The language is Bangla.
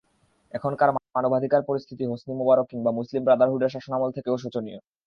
এখনকার মানবাধিকার পরিস্থিতি হোসনি মোবারক কিংবা মুসলিম ব্রাদারহুডের শাসনামল থেকেও শোচনীয়।